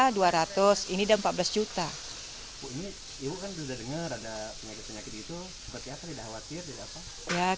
ibu kan sudah dengar ada penyakit penyakit itu seperti apa tidak khawatir